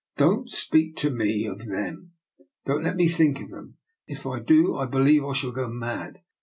" Don't speak to me of them. Don't let me think of them. If I do, I believe I shall go mad.